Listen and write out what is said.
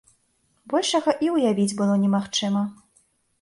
Большага і ўявіць было немагчыма.